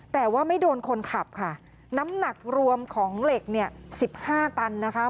แต่ว่าไม่โดนคนขับค่ะน้ำหนักรวมของเหล็กเนี่ยสิบห้าตันนะคะ